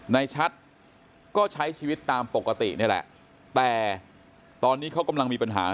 ชัดก็ใช้ชีวิตตามปกตินี่แหละแต่ตอนนี้เขากำลังมีปัญหา